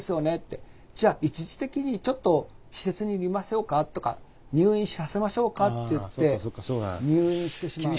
じゃあ一時的にちょっと施設に入れましょうかとか入院させましょうかって言って入院してしまう。